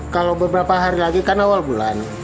kalau beberapa hari lagi kan awal bulan